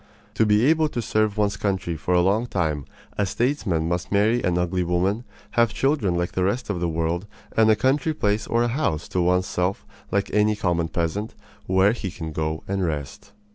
To be able to serve one's country for a long time a statesman must marry an ugly woman, have children like the rest of the world, and a country place or a house to one's self like any common peasant, where he can go and rest."